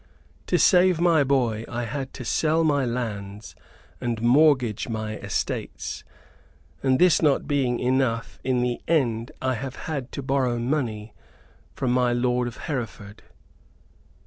To save my boy I had to sell my lands and mortgage my estates; and this not being enough, in the end I have had to borrow money from my lord of Hereford."